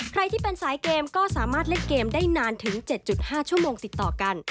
ใครที่เป็นสายเกมก็สามารถเล่นเกมได้นานถึง๗๕ชั่วโมงติดต่อกัน